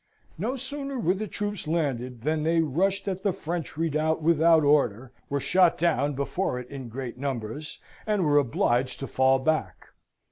No sooner were the troops landed than they rushed at the French redoubt without order, were shot down before it in great numbers, and were obliged to fall back.